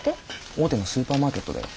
大手のスーパーマーケットだよ。